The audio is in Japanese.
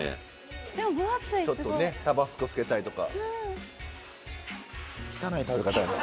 「分厚いすごい」「ちょっとねタバスコつけたりとか」